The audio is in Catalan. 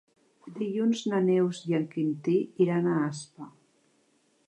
Dilluns na Neus i en Quintí iran a Aspa.